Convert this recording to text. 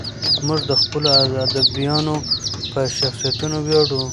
موږ د خپلو ادیبانو په شخصیتونو ویاړو.